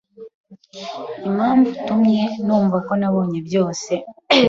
Impamvu utumye numva ko nabonye byose,